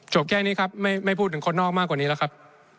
แค่นี้ครับไม่พูดถึงคนนอกมากกว่านี้แล้วครับ